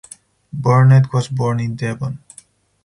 Burnett was born in Devon.